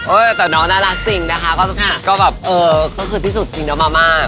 เอ้ยแต่น้องน่ารักจริงนะคะก็คือที่สุดจริงแล้วมามา